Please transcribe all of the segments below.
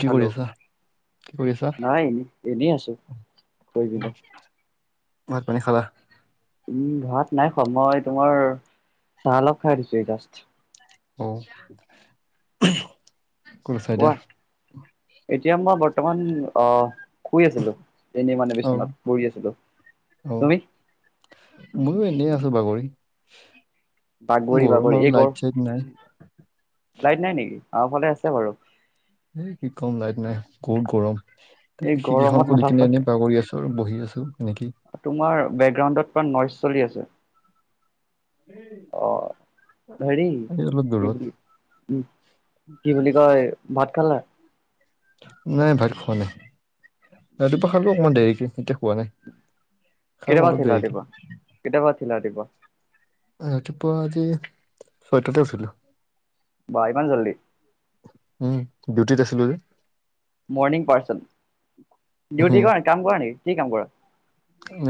কি হেল্ল' কৰি আছা? কি কৰি আছা? নাই এনে এনেই আছো উম কৰি পিনে হুম। ভাত পানী খা'লা? উম ভাত নাই খোৱা মই তোমাৰ চাহ অলপ খাই দিছোঁ এই জাষ্ট। অ, কত আছা এতিয়া? কোৱা এতিয়া মই বৰ্তমান অ শুই আছিলো এনেই মানে অ বিছনাত, পৰি আছিলো অ তুমি? ময়ো এনেই আছো বাগৰি। বাগৰি গৰম বাগৰি আৰু এই লাইট ঘৰ চাইট নাই। লাইট নাই নেকি আমাৰ ফালে আছে বাৰু। হেই কি কম লাইট নাই বহুত গৰম। এই তেই খিৰিকিখন গৰমত খুলি মাথা কিনে চাথা এনেই বাগৰি আছো আৰু বহি আছো এনেকেই। তোমাৰ বেকগ্ৰাউণ্ডত মান নইজ চলি আছে। অঁ হেৰি এই অলপ কি দূৰত। বুলি উম, - কি বুলি কয়? ভাত খালা নাই? নাই ভাত খোৱা নাই, ৰাতিপুৱা খালো অকণমান দেৰিকে এতিয়া। খোৱা নাই। খাম কেইটা বজাত অলপ উঠিলা দেৰিকে। ৰাতিপুৱা, কেইটা বজাত উঠিলা ৰাতিপুৱা? ৰাতিপুৱা আজি ছয় তাতে উঠিলো। বা ইমান জল্দি। উম, ডিউটিত আছিলো যে। Morning person. ডিউটি উম কৰা, কাম কৰা নেকি, কি কাম কৰা?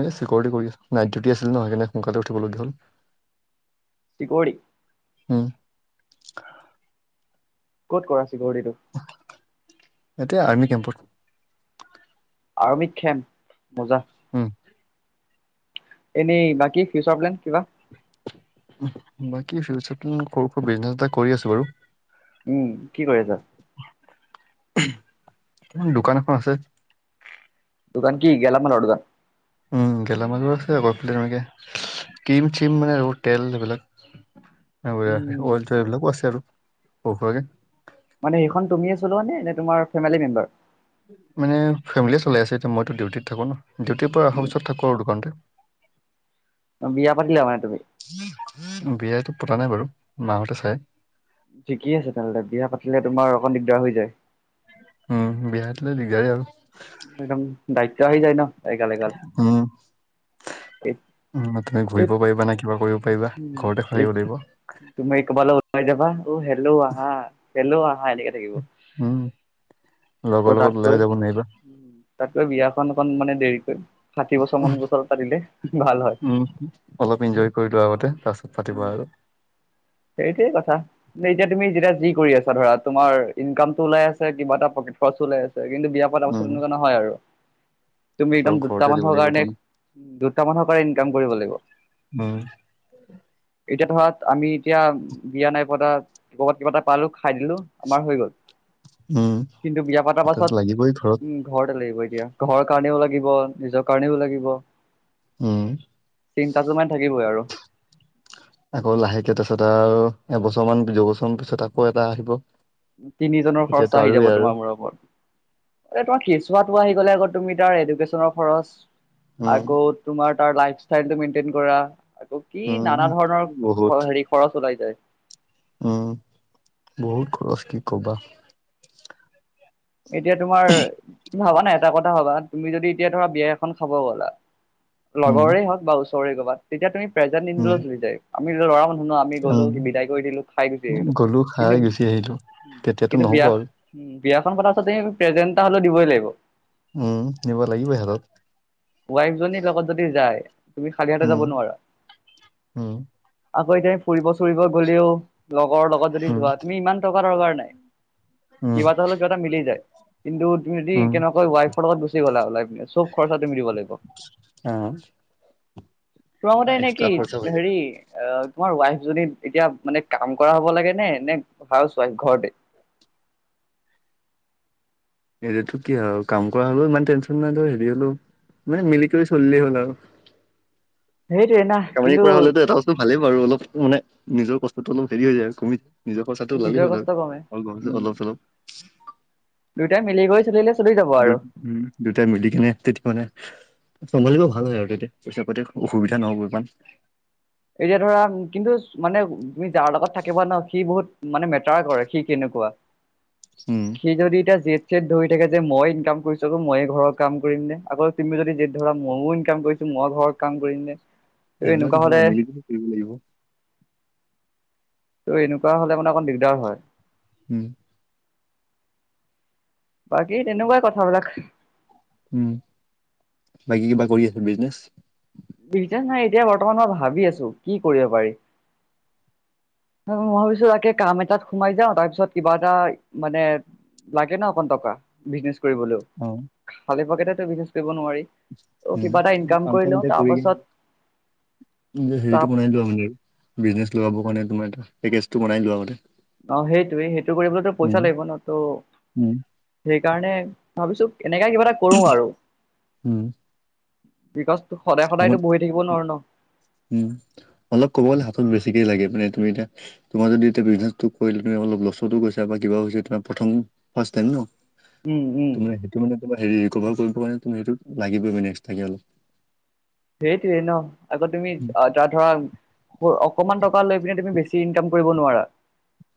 এই চিকিউৰিটি কৰি আছিলো, নাইট ডিউটি আছিল ন। সেইকাৰনে সোনকালে উঠিবলগীয়া হ'ল। [inaudible] চিকিউৰিটি। উম। ক'ত কৰা চিকউৰিটি টো? ইয়াতে আৰ্মী কেম্পত। আৰ্মী কেম্প, মজা। উম। এনেই বাকী ফিউচাৰ প্লেন কিবা? বাকী ফিউচাৰ প্লেন সৰুকৈ বিজনেছ এটা কৰি আছো বাৰু। উম, কি কৰি আছা? দোকান এখন আছে। দোকান কি গেলা মালৰ দোকান! উম, গেলামালৰ আছে, আকৌ এইফালে তেনেকে ক্ৰীম চিম মানে আৰু তেল সেইবিলাক। এইবিলাক উম ওতসৰ এইবিলাকো আছে আৰু সৰু সুৰাকে। মানে এইখন তুমিয়ে চলোৱা নে? নে তোমাৰ ফেমিল মেমবাৰ? মানে ফেমিলিয়ে চলাই আছে এতিয়া। মইতো ডিউটিত থাকোঁ ন। ডিউটিৰ পৰা অহা পিছত থাকোঁ আৰু দোকানতে। [inaudible] বিয়া পাতিলা মানে তুমি? বিয়তো পতা নাই বাৰু মাহঁতে চায়। ঠিক আছে তেনেহ'লে, বিয়া পাতিলে তোমাৰ অকণ দিগদাৰ হৈ যায়। উম, বিয়া পাতিলে দিগদাৰে আৰু। একদম দায়িত্ব আহি যায় ন। এগাল এগাল উম। এত উম, তুমি এত ঘূৰিব পাৰিবা নে কিবা কৰিব পাৰিবা! উম, ঘৰতে সুমাই এত থাকিব লাগিব। তুমি কবালৈ ওলাই যাবা, অ' হেল্ল' আহা, হেল্ল' আহা এনেকে থাকিব। উম, ত' লগৰ লগত তাতকৈ ওলাইও যাব নোৱাৰিবা। তাতকৈ বিয়াখন অকন মানে দেৰিকৈ, ষাঠি বছৰমান বয়সত পাতিলে ভাল হয়। উম। অলপ ইনজয় কৰি লোৱা আগতে, তাৰপিছত উম পাতিবা আৰু। সেইটোৱে কথা। এনে এতিয়া তুমি যেতিয়া যি কৰি আছা ধৰা, তোমাৰ ইনকাম টো ওলাই আছে কিবা এটা প্ৰকেট খৰচো ওলাই আছে। কিন্তু বিয়া- পতা পিছত উম তেনেকুৱা নহয় আৰু। তুমি চব একদম দুটা ঘৰতে দিব মানুহৰ লাগিব কাৰণে, তুমি দুটা মানুহৰ কাৰণে ইনকাম কৰিব লাগিব। উম এতিয়া ধৰা আমি- এতিয়া বিয়া নাই পতা, ক'ৰবাত কিবা এটা পালো খাই দিলো, আমাৰ হৈ গ'ল। উম কিন্তু বিয়া পাতাৰ সেইটোত পাছত, লাগিবই ঘৰত উম ঘৰতে লাগিব এতিয়া। ঘৰৰ কাৰণেও লাগিব, নিজৰ কাৰণেও লাগিব। উম চিন্তাটো মানে থাকিবই আৰু। আকৌ লাহেকে তাৰপিছত আৰু এবছৰমান, দুবছৰমান পিছত আকৌ এটা আহিব। তিনিজনৰ তেতিয়াতো খৰচা আহি আৰুৱে যাব আৰু তোমাৰ মূৰৰ ওপৰত। তোমাৰ কেঁচুৱাটো আহি গ'লে আকৌ তুমি তাৰ এডুকেশ্যনৰ খৰচ, উম আকৌ তোমাৰ তাৰ লাইফষ্টাইলটো মেইনটেইন কৰা। আকৌ কি উম নানা ধৰণৰ বহুত হেৰি খৰচ ওলাই যায়। উম বহুত খৰচ কি কবা। এতিয়া তোমাৰ ভাবানা এটা কথা ভাবা, তুমি যদি এতিয়া ধৰা বিয়া এখন খাব গ'লা উম লগৰে হওক বা ওচৰে ক'বাত তেতিয়া তুমি পেজেণ্ট উম নিনিলেও চলি যাই। আমি ল'ৰা মানুহ ন আমি গ'লো বিদায় কৰি দিলো খাইুচি আহিলো। ৰু খাই গুচি আহিলো। কেতিয়াতো নহ'ব আৰু। উম বিয়াখন পতা পিছতে প্ৰেজেণ্ট এটা হ'লেও দিবই লাগিব। উম নিব লাগিবই হাতত। ৱাইফজনী লগত যদি যায়। তুমি খালি হাতে উম যাব নোৱাৰা। উম আকৌ এতিয়া ফুৰিব-চুৰিব গ'লেও লগৰ লগত যদি উম যোৱা, তুমি ইমান টকা দৰকাৰ নাই, উম কিবা এটা হ'লেও কিবা এটা মিলি যায়। কিন্তু তুমি যদি উম কেনেবাকৈ ৱাইফৰ লগত গুচি গ'লা, চব খৰচা তুমি দিব লাগিব। অ তোমাৰ মতে মানে এক্সট্ৰা কি খৰচা হৈ যায় হেৰি অ তোমাৰ ৱাইফজনী এতিয়া মানে কাম কৰা হ'ব লাগে নে? নে হাউচ ৱাইফ ঘৰতে? [unintelligible] কি আৰু কাম কৰা হ'লেও ইমান টেনশ্যন নাই ধৰ হেৰি হলেওঁ মানে মিলি কৰি চলিলেই হ'ল আৰু। সেইটোৱে না কামানি কিন্তু কৰা হ'লেতো এটাও ভালেই বাৰু অলপ মানে নিজৰ কষ্টটো অলপ হেৰি হৈ যায় আৰু কমি নিজৰ খৰচতো ওলালেই নিজৰ হ'ল কষ্ট কমে। আৰু অলপ-চলপ। দুয়টাই মিলি গৈ চলিলে চলি যাব দু আৰু। উম দুটাই মিলি কিনে তেতিয়া মানে চম্ভালিব ভাল হয় আৰু তেতিয়া, পইচা পাতি অসুবিধা নহ'ব ইমান। এতিয়া ধৰা কিন্তু মানে তুমি যাৰ লগত থাকিবা ন, সি বহুত মানে মেটাৰ কৰে সি কেনেকুৱা? উম। সি যদি এতিয়া জেদ-চেট ধৰি থাকে যে মই ইনকাম কৰিছো ময়েই ঘৰৰ কাম কৰিম নে আকৌ তুমি যদি যেদ ধৰা, ময়ো ইনকাম কৰিছো মই ঘৰত কাম কৰিম নে? ত' এইবিলাক এনেকুৱা নহ'ব, হলে মিলি-জুলি কৰিব লাগিব। ত' এনেকুৱা হ'লে মানে অকণ মান দিগদাৰ হয়। উম। বাকী তেনেকুৱাই কথাবিলাক উম, বাকী কিবা কৰি আছা বিজনেচ? বিচনেজ নাই এতিয়া বৰ্তমান মই ভাবি আছো কি কৰিব পাৰি? মই ভাবিছো তাকে কাম সোমাই যাও, তাৰপিছত কিবা এটা মানে লাগে ন অকন টকা, বিজনেছ কৰিবলৈও। ও। খালি পকেটো বিজনেছ কৰিব নোৱাৰি। ত' কিবা এটা উম ইনকাম কাম-চাম লওঁ এতিয়া তাৰ কৰি পাছত নিজৰ তাৰ হেৰিটো বনাই লোৱা [unintelligible] বিজনেছ লগাবৰ কাৰণে, তোমাৰ এটা পেকেজটো বনাই লোৱা আগতে। অঁ, সেইটোৱেই, সেইটোৱেই কৰিবলৈ উম পইচা লাগিবনতো। উম সেইকাৰণেই ভাবিছো, এনেকুৱা কিবা এটা কৰো আৰু উম। বিকজ, হ'ব সদায়-সদায়টো বহি থাকিব নোৱাৰো ন? উম, অলপ ক'বলে হাতত বেছিকে লাগে মানে এইটো এটা তোমাৰ যদি এতিয়া বিজনেছটো কৰিলে, তুমি অলপ লোছান হৈছে বা কিবা হৈছে, তোমাৰ প্ৰথম ফাষ্ট টাইম ন'? উম উম। তোমাৰ সেইটো মানে কৰবাট হেৰি ৰিকভাৰ কৰিব তুমি সেইটো লাগিবই মানে একষ্টাকে অলপ। সেইটোৱেই ন, আকৌ তুমি ধৰা মোৰ অকমান টকা লৈ পিনে তুমি বেছি ইনকাম কৰিব নোৱাৰা।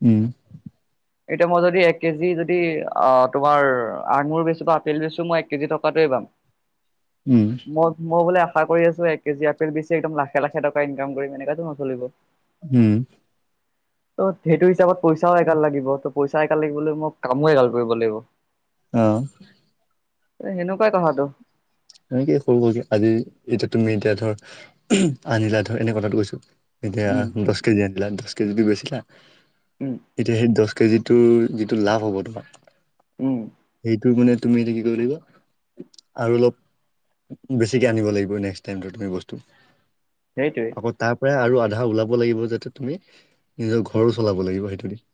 উম। এতিয়া মই যদি এক কেজি যদি তোমাৰ আঙুৰ বেছো, বা আপেল বেছো, মই এক কেজি টকাটোৱেই পাম। উম। মই, মই বোলে আশা কৰি আছো, এক কেজি আপেল বেছি একদম লাখে, লাখে টকা ইনকাম কৰিম, এনেকেটো নচলিব। উম। অ, সেইটো হিচাপত পইচাও এগাল লাগিব ত। পইচা এগাল লাগিবলৈ, মই কামো এগাল কৰিব লাগিব। অঁ। সেনেকুৱাই কথাটো। এনেয়েই হৈ গল, আজি এতিয়া তুমি এতিয়া ধৰ আঞ্জা ধৰ এনেই কথাটো কৈছো। এতিয়া উম দহ কেজি আনিলা, দহ কেজিত বেছিলা। উম এতিয়া সেই দহ কেজিত তু যিটো লাভ হব তোমাৰ? উম সেইটো মানে তুমি, এতিয়া কি কৰব লাগিব। আৰু অলপ বেছিকৈ আনিব লাগিব, নেক্স টাইমটো তুমি বস্তু। সেইটোৱেই। আকৌ তাৰ পৰাই আৰু আধা ওলাব লাগিব যাতে, তুমি নিজৰ ঘৰো চলাব লাগিব সেইটো দি।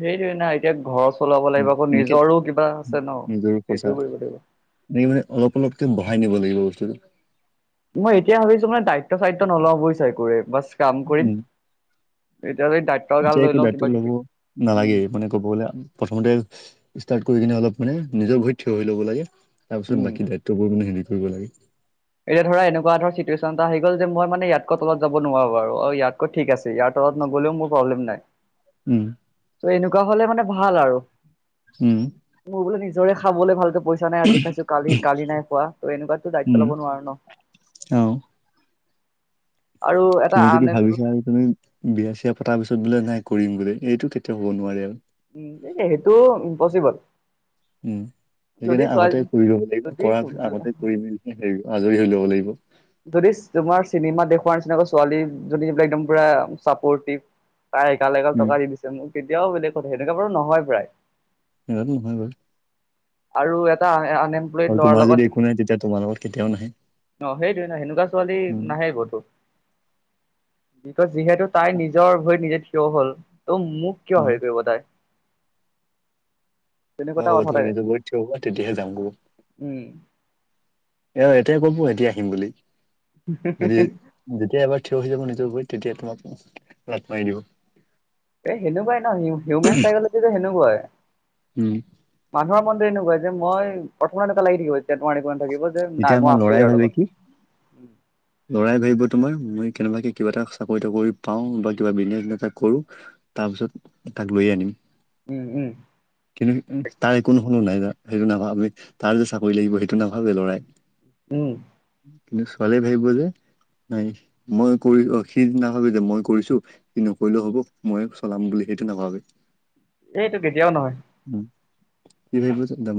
সেইটোৱে না, এতিয়া ঘৰ চলাব উম। লাগিব, এনেকে নিজৰো কিবা আছে ন' সেইটোও কৰিব লাগিব। এনে মানে, অলপ-অলপকে বঢ়াই নিব লাগিব বস্তুটো। মই এতিয়া ভাবিছো মানে দায়িত্ব-চায়িত্ব নলওঁ বুজিছে গৈয়েই, বাছ কাম কৰিম। উম। এতিয়া যদি তাক যে একো দায়িত্ব ল'ব নালাগে মানে কবলে প্ৰথমনে ষ্টাৰ্ট কৰি কিনে অলপ মানে নিজৰ ভৰিত থিয় হৈ লব লাগে। তাৰপিছত উম বাকী দায়িত্ববোৰ মানে সেনেকে কৰিব লাগে। এই ধৰা এনেকুৱা ধৰ চিটুৱেশ্যন এটা আহি গ'ল, যে মই মানে ইয়াতকৈ তলত যাব নোৱাৰো আৰু। ইয়াতকৈ ঠিক আছে, ইয়াৰ তলত নগ'লেও মোৰ প্ৰব্লেম নাই। উম। ত' এনেকুৱা হলে মানে ভাল আৰু। উম। মোৰ বোলো নিজৰে খাবলেভালকে পইচা নাই আজি খাইছো কালি, কালি নাই খোৱা। ত' এনেকুৱাতো দায়িত্ব উম, ল'ব নোৱাৰো ন'। অ'। আৰু এটা তুমি যদি আন ভাবিছা উম আৰু তুমি বিয়া-চিয়া পতাৰ পিছত বোলে নাই কৰিম বুলি এইটো কেতিয়াও হ'ব নোৱাৰে আৰু। এ সেইটো ইম্পচিবোল। উম, সেইকাৰণে আগতে কৰি লব লাগিব কৰাছ আগতে যদি কৰি মেলিহে হেৰি আজৰি হৈ ল'ব লাগিব। যদি তোমাৰ চিনেমা দেখুুৱাৰ নিচিনাকৈ ছোৱালীজনী জনীৰ একদম পুৰা চাপৰ্টিভ তাই এগাল, এগাল উম, টকা দি দিছে। তেতিয়াও বেলেগ কথা তেনেকা বাৰু নহয় প্ৰায়। ইমানো নহয় বাৰু। আৰু এটা এ আনেম আৰু তোমাৰ যদি একো নাই তেতিয়া তোমাৰ লগত কেতিয়াও নাহে। অ', সেইটোয়ে না হেনেকুৱা ছোৱালী উম নাহে কতো। বিকজ যিহেতু তাই নিজৰ ভৰিত নিজে থিয় হল, ত' মোক কিয় উম [unintelligible] কৰিব তাই? তেনেকুৱা এটা কথা থাকে [unintelligible] উম। এয়া এতিয়া ক'ব এতিয়া আহিম বুলি। যদি যেতিয়া এবাৰ থিয় হৈ যাব নিজৰ ভৰিত তেতিয়া তোমাক লাত মাৰি দিব। এ সেনেকুৱাই ন? হিউমেন চাইকলজি টো সেনেকুৱাই। উম মানুহৰ মনটো এনেকুৱা যে মই পথমে এনেকুৱা লাগি থাকিব এতিয়া তোমাৰ [unintelligible] থাকিব যে এতিয়া নাই আমাৰ মই আছোঁ ল'ৰাই ইয়াৰ ভাবে লগত। কি লৰাই ভাবিব তোমাৰ মই কেনেবাকে কিবা এটা চাকৰি-তাকৰি পাওঁ বা কিবা বিজনেছ এটা কৰোঁ। তাৰপিছত তাক লৈয়ে আনিম। উম, উম। কিন্তু উঃ তাৰ একো কোনো নাই [unintelligible] সেইটো নাভাবে। তাৰ যে চাকৰি লাগিব সেইটো নাভাবে লৰাই। উম। কিন্তু ছোৱালী ভাবিব যে নাই মই কৰি অ', সি নাভাবে যে মই কৰিছোঁ সি নকৰিলেও হ'ব, মই চলাম বুলি সেইটো নাভাবে। সেইটো কেতিয়াও নহয়। [unintelligible]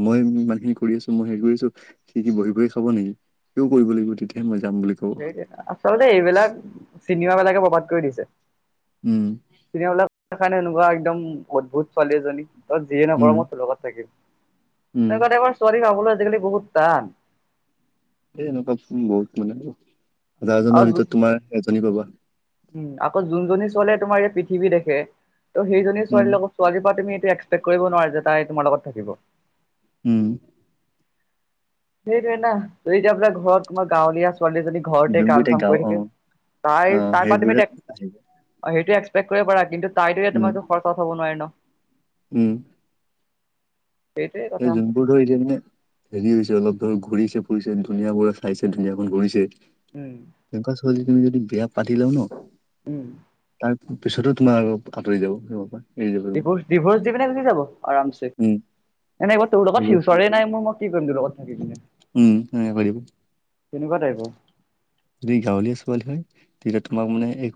মই ইমানখিনি কৰি আছোঁ, মই হেৰি কৰিছোঁ সি বহি-বহি খাব নেকি? সিউ কৰিব লাগিব তেতিয়াহে মই যাম বুলি ক সেইটোয়েটো আচলতে এইবিলাক চিনেমা বিলাকে ৰ্ববাদ কৰি দিছে। উম। চিনেমাবিলাক সেই কাৰণে এনেকুৱা একদম অদ্ভুত ছোৱালী এজনীৰ তই যিয়ে নকৰ উম মই টোৰলগত থাকিম, উম তেনেকুৱা টাইপৰ ছোৱালী পাবলৈ আজিকালি বহুত টান। এ এনেকুৱা বহুত মানে [unintelligible] আৰু হাজাৰজনৰ যোন ভিতৰত তোমাৰ এজনী পাবা। উম, আকৌ যোনজনী ছোৱালীয়ে তোমাৰ ই পৃথিৱী দেখে, ত' সেইজনী উম ছোৱালীৰ লগত ছোৱালী পৰা তুমি এটো এক্সপেক্ট কৰিব নোৱাৰা যে তাই তোমাৰ লগত থাকিব। উম। সেইটোৱে ন? এতিয়া বলে ঘৰত, তোমাৰ গাঁৱলীয়া ছোৱালী এজনী ঘৰতে যোনবোৰ কাম এতিয়া চাম গাঁও কৰি অ থাকে। তাই অ তাৰপা তুমি সেইবোৰে তাইক আহিব অ', সেইটো এক্সপেক্ট কৰিব পাৰা, কিন্তু তাইতো ইয়াত উম তোমাৰ [unintelligible] হ'ব নোৱাৰে ন? উম। সেইটোৱে কথা এই যোনবোৰ মানে, হেৰি হৈছে অলপ ধৰক ঘূৰিছে ফুৰিছে, ধুনীয়া বোৰে চাইছে, ধুনীয়াখন কৰিছে। উম। তেনেকুৱা ছোৱালী তুমি যদি বিয়া পাতিলা ন উম। তাৰপিছতো তোমাৰ আ আতৰি যাব তোমাৰ পৰা। এৰি যাব তোমাক। ডিভৰ্চ-ডিভৰ্চ দি পিনে গুচি যাব আৰামচে। উম। [unintelligible] তোৰ লগত এইবোৰ ঠিক ফিউচাৰে আছে। নাই মোৰ, মই কি কৰিম, তোৰ লগত থাকি পিনে? উম, যেনেকে কৈ দিব। তেনেকুৱা টাইপৰ। গাঁৱলীয়া ছোৱালী হয় তেতিয়া তোমাক মানে এই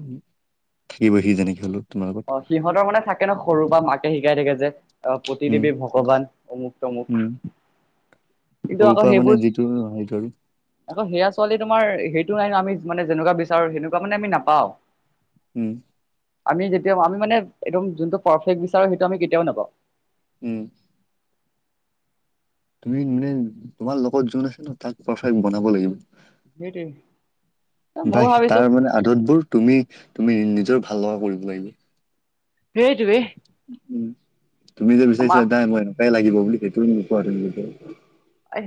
থাকিব সি যেনেকৈ হ'লেও তোমাৰ লগত। অ সিহঁতৰ মানে থাকে ন' সৰুৰ পাই মাকে শিকাই থাকে যে অঁ' [unintelligible] উম দেৱী ভগৱান, অমুক তমুক। উম কিন্তু সৰুৰ আকৌ পৰা মানে সেইবোৰ যিটো সেইটো আৰু আকৌ সেয়া ছোৱালী তোমাৰ সেইটো নাই ন' আমি মানে যেনেকুৱা বিচাৰো, সেনেকুৱা মানে আমি নাপাওঁ। উমঁ। আমি যেতিয়া, আমি মানে একদম যোনটো পাৰফেক্ট বিচাৰো সেইটো আমি কেতিয়াও নাপাওঁ। উমঁ। তুমি মানে, তোমাৰ লগত যোন আছে ন' তাক পাৰফেক্ট বনাব লাগিব। সেইটোৱে ময়ো [unintelligible] ভাবিছো তাৰমানে আদতবোৰ তুমি, তুমি নিজৰ ভাল লগা কৰিব লাগিব। সেইটোৱেই। উমঁ' উমঁ' তুমি যে বিচাৰিছা নাই মোক এনেকুৱাই লাগিব বুলি সেইটো নোপোৱা তুমি কেতিয়াও।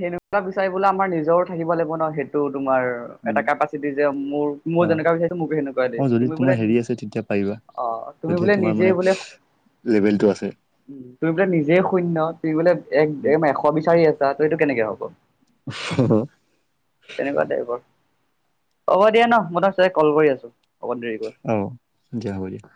সেনেকুৱা বিচাৰিবলে আমাৰ নিজৰো থাকিব লাগিব ন' সেইটো তোমাৰ উম এটা কেপাচিটি যে মোৰ, অ মোৰ যেনেকুৱা বিচাৰিছো মোকো সেনেকুৱাই অ লাগিব, যদি তুমি তোমাৰ বোলে হেৰি আছে তেতিয়া পাৰিবা। অঁ' তুমি যদিহে বোলে তোমাৰ নিজেই মানে বোলে লেভেলটো আছে। উমঁ' তুমি বোলে নিজেই শূন্য তুমি বোলে এক, এক এশ বিচাৰি আছা ত' সেইটো কেনেকে হ'ব। অঁ' অঁ'। তেনেকুৱা টাইপৰ, হ'ব দিয়া ন' মই [unintelligible] কল কৰি আছো‌ অলপ দেৰিকৈ। অ', দিয়া হ'ব দিয়া।